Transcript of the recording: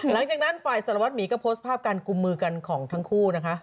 หลังจากนั้นฝ่ายสารวัตรหมีก็โพสต์ภาพการกุมมือกันของทั้งคู่นะคะ